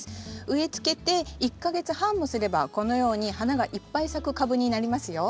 植えつけて１か月半もすればこのように花がいっぱい咲く株になりますよ。